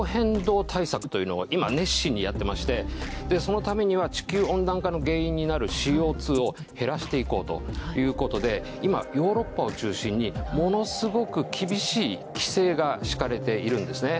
今熱心にやってましてそのためには地球温暖化の原因になるＣＯ２を減らしていこうということで今ヨーロッパを中心にものすごく厳しい規制がしかれているんですね。